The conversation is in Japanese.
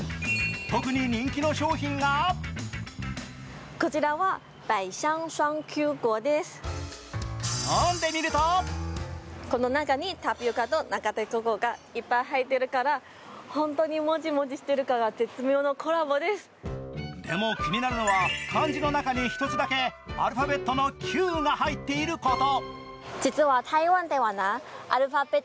特に人気の商品がでも気になるのは漢字の中に１つだけアルファベットの「Ｑ」が入っていること。